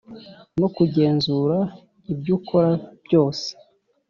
no kugenzura ibyo ukora byose?